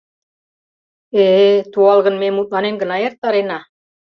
— Э-э, туалгын ме мутланен гына эртарена?